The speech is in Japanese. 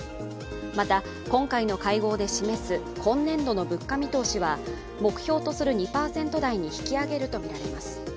また、今回の会合で示す今年度の物価見通しは目標とする２％台に引き上げるとみられます。